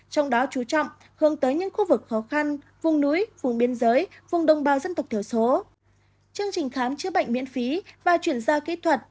trong đó chú trọng hướng tới những khu vực khó khăn vùng núi vùng biên giới vùng đồng bào dân tộc thiểu số